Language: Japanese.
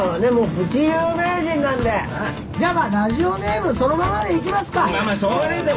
プチ有名人なんでじゃあラジオネームそのままでいきますかしょうがないですね